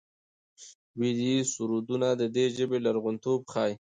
ویدي سرودونه د دې ژبې لرغونتوب ښيي.